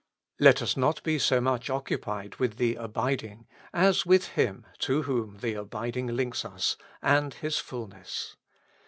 Let us not be so much occupied with the abiding, as with Him to whom the abiding links us, and His fulness.